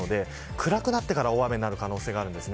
暗くなってから大雨になる可能性があります。